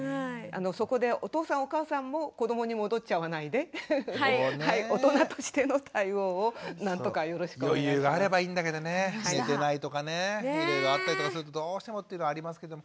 そこでお父さんお母さんも子どもに戻っちゃわないで余裕があればいいんだけどね寝てないとかねいろいろあったりとかするとどうしてもっていうのありますけども。